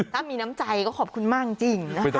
ถ้ามีน้ำใจก็ขอบคุณมากจริงนะคะ